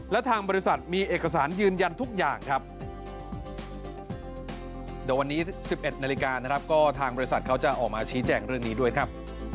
และทางบริษัทมีเอกสารยืนยันทุกอย่างครับเดี๋ยววันนี้๑๑นาฬิกานะครับก็ทางบริษัทเขาจะออกมาชี้แจงเรื่องนี้ด้วยครับ